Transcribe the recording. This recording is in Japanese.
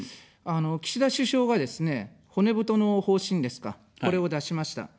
岸田首相がですね、骨太の方針ですか、これを出しました。